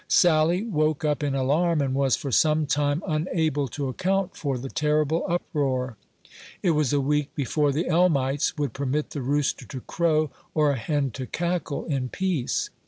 Sally woke up in alarm, and was for some time unable to account for the terrible uproar. It was a week before the Elmites would permit the rooster to crow, or a hen to cackle, in peace.